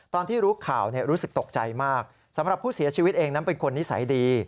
ตอนที่รู้ข่าวรู้สึกตกใจมากสำหรับผู้เสียชีวิตเองนั้นเป็นคนนิสัยดี